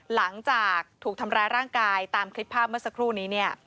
หลังจากถูกทำร้ายร่างกายตามคลิปภาพเมื่อสักครู่นี้เนี่ย